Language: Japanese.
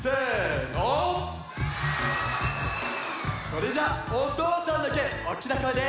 それじゃおとうさんだけおおきなこえで。